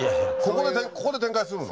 ここで展開するの？